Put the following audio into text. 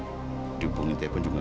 kalau motelnya udah tutup mas